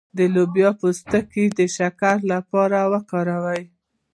د لوبیا پوستکی د شکر لپاره وکاروئ